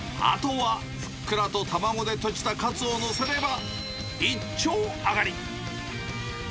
あとは、ふっくらと卵でとじたカツを載せれば、一丁上がり。